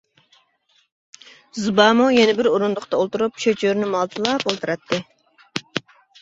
زىبامۇ يەنە بىر ئورۇندۇقتا ئولتۇرۇپ چۆچۈرىنى مالتىلاپ ئولتۇراتتى.